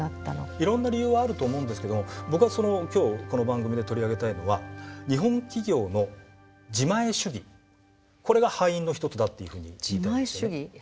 いろんな理由はあると思うんですけども僕は今日この番組で取り上げたいのは日本企業の自前主義これが敗因の一つだっていうふうに言いたいんですよね。